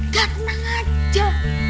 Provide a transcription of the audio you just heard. gak tenang aja